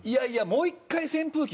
もう１回扇風機